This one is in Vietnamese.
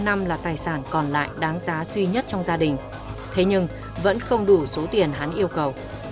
năm là tài sản còn lại đáng giá duy nhất trong gia đình thế nhưng vẫn không đủ số tiền hắn yêu cầu